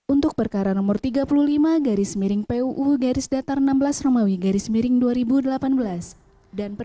untuk perkara nomor tiga puluh lima garis miring puu garis datar enam belas romawi garis miring dua ribu delapan belas dan perkara nomor tiga puluh lima